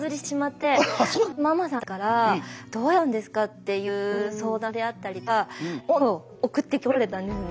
ママさんたちから「どうやったんですか？」っていう相談であったりとか同じ悩みを送ってこられたんですね。